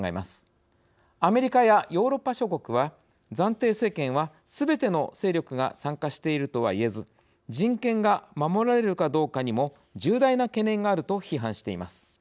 アメリカやヨーロッパ諸国は暫定政権はすべての勢力が参加しているとはいえず人権が守られるかどうかにも重大な懸念があると批判しています。